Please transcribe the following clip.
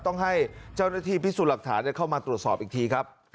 ต้องให้เจ้าหน้าที่พิสูจน์หลักฐานเข้ามาตรวจสอบอีกทีครับ